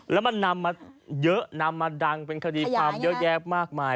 แล้วมันนำมาเยอะนำมาดังเป็นคดีความเยอะแยะมากมาย